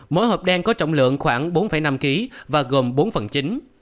mỗi hộp đen có trọng lượng khoảng bốn năm kg và gồm bốn phần chính